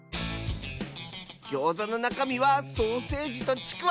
ギョーザのなかみはソーセージとちくわ！